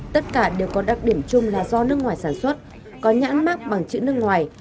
tất cả đều có đặc điểm chung là do nước ngoài sản xuất có nhãn mát bằng chữ nước ngoài